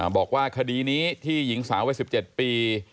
บอกว่าคดีนี้ที่หญิงสาววัย๑๗ปี